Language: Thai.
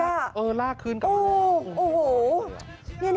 โอ้ยลากขึ้นไป